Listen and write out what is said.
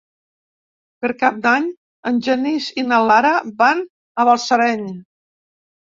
Per Cap d'Any en Genís i na Lara van a Balsareny.